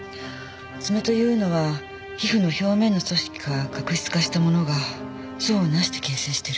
爪というのは皮膚の表面の組織が角質化したものが層をなして形成してる。